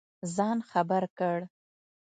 ځان خبر کړ.